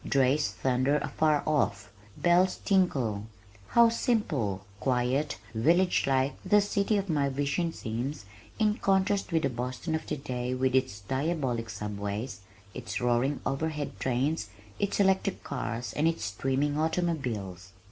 Drays thunder afar off. Bells tinkle. How simple, quiet, almost village like this city of my vision seems in contrast with the Boston of today with its diabolic subways, its roaring overhead trains, its electric cars and its streaming automobiles!